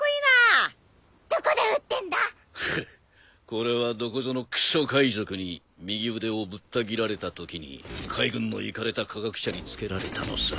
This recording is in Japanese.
これはどこぞのくそ海賊に右腕をぶった斬られたときに海軍のいかれた科学者につけられたのさ。